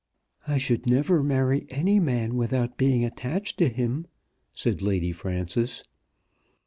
"I should never marry any man without being attached to him," said Lady Frances.